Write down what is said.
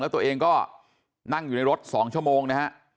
ตัวเองก็นั่งอยู่ในรถ๒ชั่วโมงนะฮะ